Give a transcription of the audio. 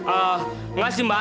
ehh enggak sih mbak